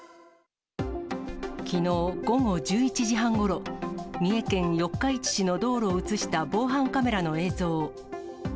きのう午後１１時半ごろ、三重県四日市市の道路を写した防犯カメラの映像。